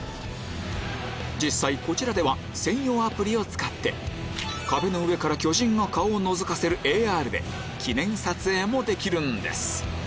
実際こちらでは専用アプリを使って壁の上から巨人が顔をのぞかせるＡＲで記念撮影もできるんです